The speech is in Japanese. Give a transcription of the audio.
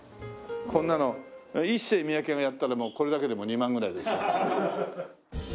こんなのイッセイミヤケがやったらもうこれだけで２万ぐらいですよ。